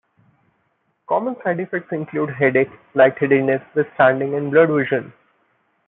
Common side effects include headache, lightheadedness with standing, and blurred vision.